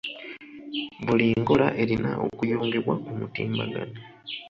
Buli nkola erina okuyungibwa ku mutimbagano.